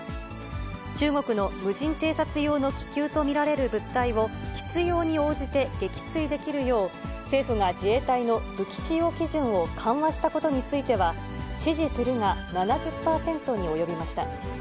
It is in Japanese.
中国の無人偵察用の気球と見られる物体を必要に応じて撃墜できるよう、政府が自衛隊の武器使用基準を緩和したことについては、支持するが７０％に及びました。